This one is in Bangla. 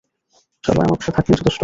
সবাই আমার পাশে থাকলেই যথেষ্ট।